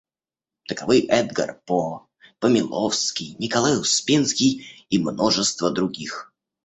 Таковы Эдгар По, Помяловский, Николай Успенский и множество других.